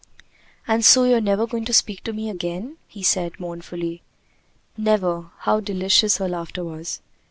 "And so you are never going to speak to me again?" he said mournfully. "Never!" How delicious her laughter was.